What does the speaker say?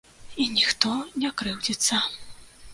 І ніхто не крыўдзіцца.